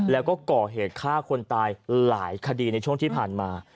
แล้วก็ก่อเหตุฆ่าคนตายหลายคดีในช่วงที่ผ่านมา